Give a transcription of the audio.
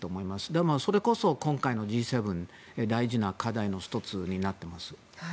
でも、それこそ今回のＧ７の大事な課題の１つになっています。